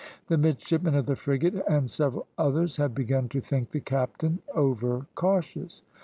The midshipmen of the frigate, and several others, had begun to think the captain over cautious.